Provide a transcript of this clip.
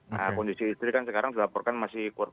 nah kondisi istri kan sekarang dilaporkan masih kurang